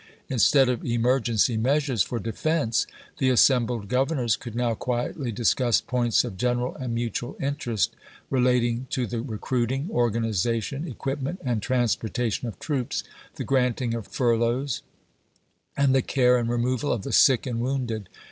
Instead of emergency measures for de fense, the assembled Grovernors could now quietly discuss points of general and mutual interest, re lating to the recruiting, organization, equipment, and transportation of troops, the granting of fur loughs, and the care and removal of the sick and wounded.